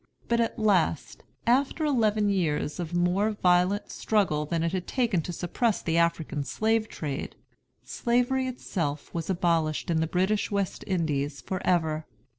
But at last, after eleven years of more violent struggle than it had taken to suppress the African slave trade, Slavery itself was abolished in the British West Indies forever.